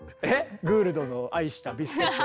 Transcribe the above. グールドの愛したビスケット。